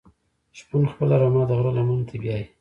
شپون خپله رمه د غره لمنی ته بیایی.